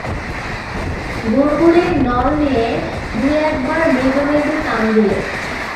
গুড়গুড়ির নল নিয়ে দুই-একবার মৃদু মৃদু টান দিলে।